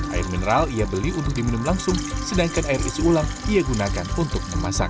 air mineral ia beli untuk diminum langsung sedangkan air isi ulang ia gunakan untuk memasak